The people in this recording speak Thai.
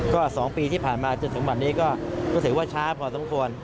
ก็๒ปีที่ผ่านมาจนถึงวันนี้ก็รู้สึกว่าช้าพอสมควร